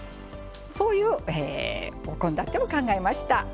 そういう献立を考えました。